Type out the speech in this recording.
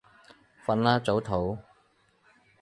瞓啦，早唞